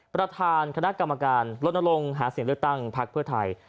ประธานคณะกรรมการลดลงหาเสียงเลือกตั้งพักเพื่อไทย